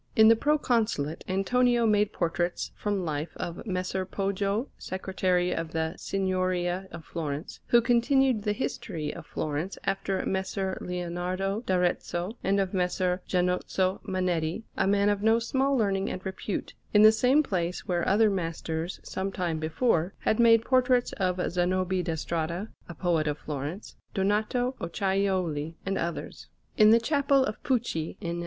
In the Proconsulate Antonio made portraits from life of Messer Poggio, Secretary to the Signoria of Florence, who continued the History of Florence after Messer Leonardo d'Arezzo, and of Messer Giannozzo Manetti, a man of no small learning and repute, in the same place where other masters some time before had made portraits of Zanobi da Strada, a poet of Florence, Donato Acciaiuoli, and others. In the Chapel of the Pucci, in S.